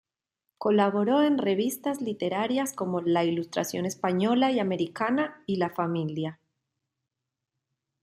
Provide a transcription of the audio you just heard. Colaboró en revistas literarias como "La Ilustración Española y Americana" y "La Familia".